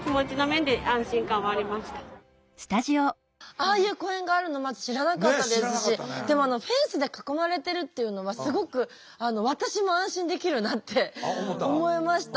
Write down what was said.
ああいう公園があるのまず知らなかったですしでもフェンスで囲まれてるっていうのはすごく私も安心できるなって思いましたね。